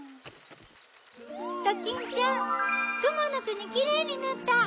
ドキンちゃんくものくにキレイになった！